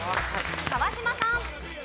川島さん。